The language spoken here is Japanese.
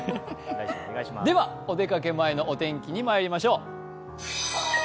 ではお出かけ前のお天気にまいりましょう。